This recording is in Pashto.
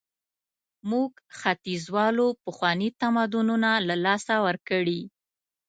موږ ختیځوالو پخواني تمدنونه له لاسه ورکړي.